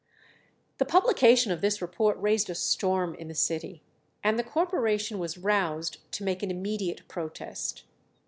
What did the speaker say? The publication of this report raised a storm in the city, and the corporation was roused to make an immediate protest.